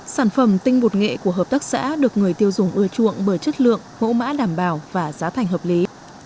sản phẩm tinh bột nghệ của hợp tác xã được người tiêu dùng ưa chuộng bởi chất lượng mẫu mã đảm bảo và giá thành hợp lý